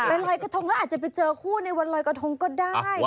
ลอยกระทงแล้วอาจจะไปเจอคู่ในวันลอยกระทงก็ได้